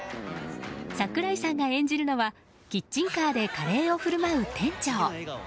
櫻井さんが演じるのはキッチンカーでカレーを振る舞う店長。